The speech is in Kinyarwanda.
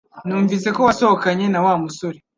Numvise ko wasohokanye na Wa musore